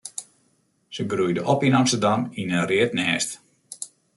Se groeide op yn Amsterdam yn in read nêst.